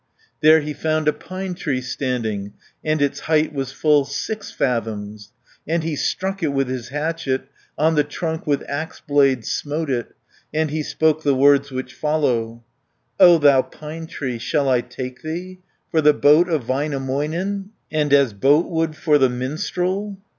50 There he found a pine tree standing, And its height was full six fathoms, And he struck it with his hatchet, On the trunk with axe blade smote it, And he spoke the words which follow: "O thou pine tree, shall I take thee, For the boat of Väinämöinen, And as boatwood for the minstrel?"